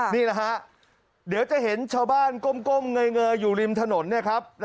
นี่แหละฮะเดี๋ยวจะเห็นชาวบ้านก้มเงยอยู่ริมถนนเนี่ยครับ